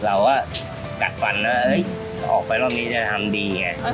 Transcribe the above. เราก็กัดฟันว่าออกไปรอบนี้จะทำดีไง